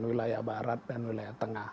wilayah barat dan wilayah tengah